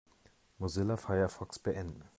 Mozilla Firefox beenden.